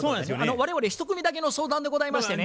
我々１組だけの相談でございましてね。